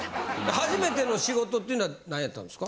初めての仕事っていうのは何やったんですか？